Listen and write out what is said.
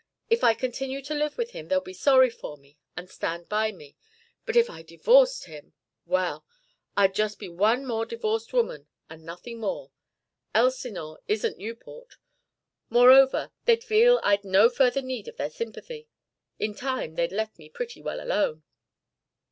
If I continue to live with him they'll be sorry for me and stand by me, but if I divorced him well, I'd just be one more divorced woman and nothing more. Elsinore isn't Newport. Moreover, they'd feel I'd no further need of their sympathy. In time they'd let me pretty well alone."